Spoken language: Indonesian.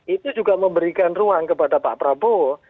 itu juga memberikan ruang kepada pak prabowo